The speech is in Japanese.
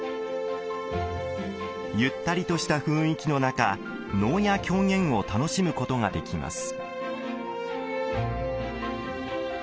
ゆったりとした雰囲気の中能や狂言を楽しむことができます。